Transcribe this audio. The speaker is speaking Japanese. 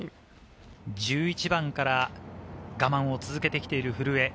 １１番から我慢を続けてきている古江。